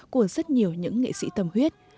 của rất nhiều những nghệ sĩ tâm huyết